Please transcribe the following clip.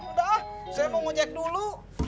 udah ah saya mau ngejek dulu